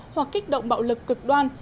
hoặc kích động bạo lực cực đoan